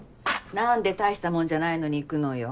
なんでたいしたもんじゃないのに行くのよ。